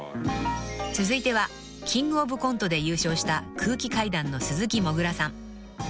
［続いてはキングオブコントで優勝した空気階段の鈴木もぐらさん］